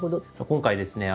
今回ですね